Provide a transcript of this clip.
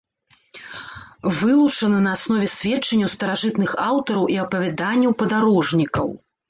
Вылучаны на аснове сведчанняў старажытных аўтараў і апавяданняў падарожнікаў.